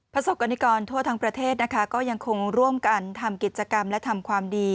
ประสบกรณิกรทั่วทั้งประเทศนะคะก็ยังคงร่วมกันทำกิจกรรมและทำความดี